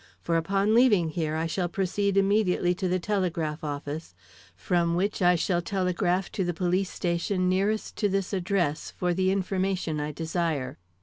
For upon leaving here, I shall proceed immediately to the telegraph office, from which I shall telegraph to the police station nearest to this address, for the information I desire.